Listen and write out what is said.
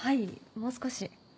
もう少し。